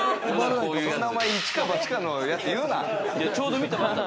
イチかバチかのやつ言うな。